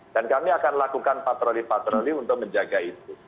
dan kami akan lakukan patroli patroli untuk menjaga itu